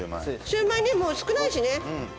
シューマイねもう少ないしね。